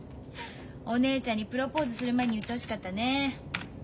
お姉ちゃんにプロポーズする前に言ってほしかったねえ。